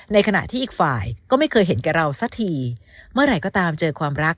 ในขณะที่อีกฝ่ายก็ไม่เคยเห็นแก่เราสักทีเมื่อไหร่ก็ตามเจอความรัก